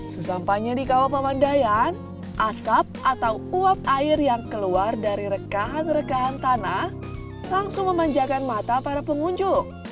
sesampanya di kawah pemandayan asap atau uap air yang keluar dari rekahan rekahan tanah langsung memanjakan mata para pengunjung